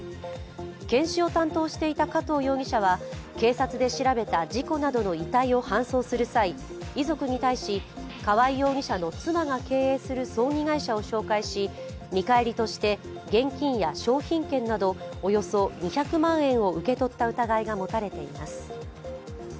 検視を担当していた加藤容疑者は警察で調べた事故などの遺体を搬送する際、遺族に対し河合容疑者の妻が経営する葬儀会社を紹介し見返りとして現金や商品券などおよそ２００万円を受け取った疑いが持たれています。